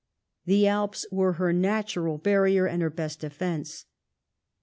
The Alps were her natural harrier, and her best defence.